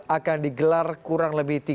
akan digelar kurang lebih